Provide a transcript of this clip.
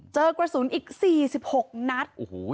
เจอกระสุนอีก๔๖นัด